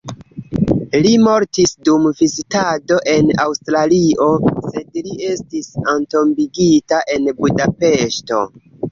Li mortis dum vizitado en Aŭstralio, sed li estis entombigita en Budapeŝto.